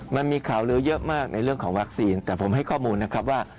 มันมีข่าวลื้อเยอะมากในเรื่องของวัคซีนแต่ผมให้ข้อมูลนะครับว่า